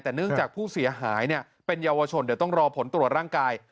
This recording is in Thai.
แต่เนื่องจากผู้เสียหายเป็นเยาวชนเดี๋ยวต้องรอผลตรวจร่างกาย